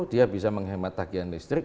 dia bisa menghemat tagihan listrik